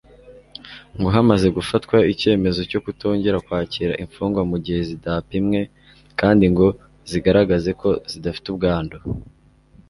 ngo hamaze gufatwa icyemezo cyo kutongera kwakira imfungwa mu gihe zidapimwe kandi ngo zigaragaze ko zidafite ubwandu.